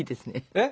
えっ？